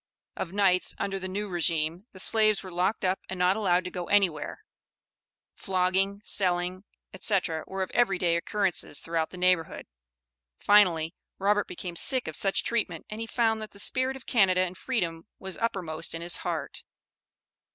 Of nights, under the new regime, the slaves were locked up and not allowed to go anywhere; flogging, selling, etc., were of every day occurrence throughout the neighborhood. Finally, Robert became sick of such treatment, and he found that the spirit of Canada and freedom was uppermost in his heart.